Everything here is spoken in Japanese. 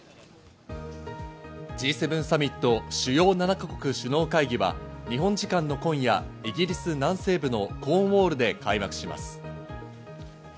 Ｇ７サミット＝主要７か国首脳会議は日本時間の今夜、イギリス南西部のコーンウォールで開幕します。